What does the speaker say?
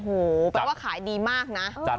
โอ้โหเป็นว่าขายดีมากนะ